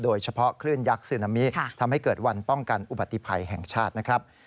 คลื่นยักษ์ซึนามิทำให้เกิดวันป้องกันอุบัติภัยแห่งชาตินะครับ